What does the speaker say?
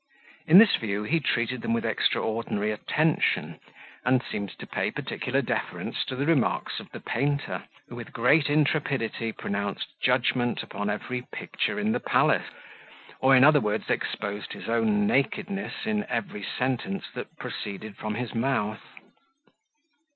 In this view he treated them with extraordinary attention, and seemed to pay particular deference to the remarks of the painter, who, with great intrepidity, pronounced judgment upon every picture in the palace, or, in other words, exposed his own nakedness in every sentence that proceeded from his mouth.